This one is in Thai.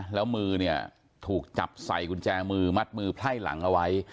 แล้วมือเนี่ยถูกจับใส่กุญแจมือมัดมือไพ่หลังเอาไว้